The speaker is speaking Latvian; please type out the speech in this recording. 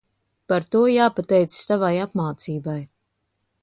Par to jāpateicas tavai apmācībai.